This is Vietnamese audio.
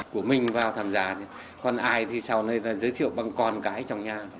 của mình vào tham gia còn ai thì sau này giới thiệu bằng con cái trong nhà